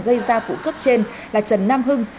gây ra phụ cướp trên là trần nam hưng